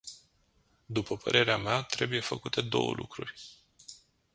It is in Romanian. După părerea mea, trebuie făcute două lucruri.